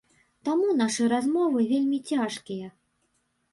Таму нашы размовы вельмі цяжкія.